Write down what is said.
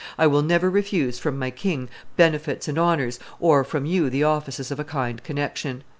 I will never refuse from my king benefits and honors, or from you the offices of a kind connection.